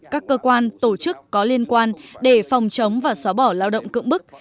các cơ quan tổ chức có liên quan để phòng chống và xóa bỏ lao động cưỡng bức